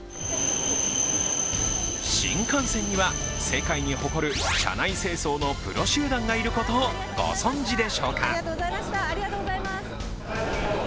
新幹線には世界に誇る車内清掃のプロ集団がいることをご存じでしょうか。